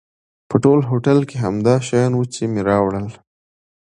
په ټول هوټل کې همدا شیان و چې مې راوړل.